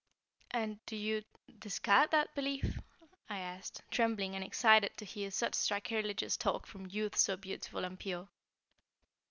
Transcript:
"And do you discard that belief?" I asked, trembling and excited to hear such sacrilegious talk from youth so beautiful and pure.